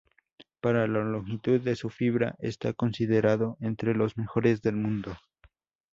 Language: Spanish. Por la longitud de su fibra, está considerado entre los mejores del mundo.